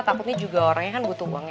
takutnya juga orangnya kan butuh uang ya